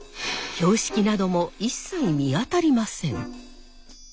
標識なども一切見当たりません。